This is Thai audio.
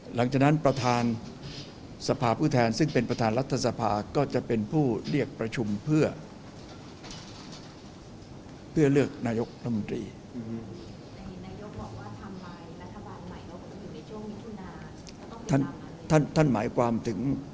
หลังจากนั้นประธานสภาผู้แทนซึ่งเป็นประธานรัฐสภาก็จะเป็นผู้เรียกประชุมเพื่อเลือกนายกรัฐมนตรี